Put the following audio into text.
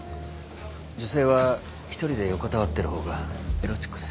女性は一人で横たわってる方がエロチックです。